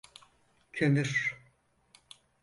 Kömür…